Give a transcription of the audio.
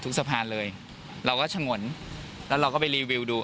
สะพานเลยเราก็ฉงนแล้วเราก็ไปรีวิวดู